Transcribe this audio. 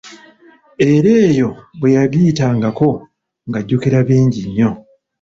Era eyo bwe yagiyitangako, ng'ajjukira bingi nnyo.